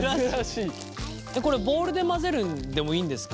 これボウルで混ぜるでもいいんですか？